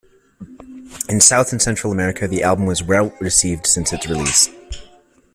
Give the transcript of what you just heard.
In South and Central America the album was well received since its release.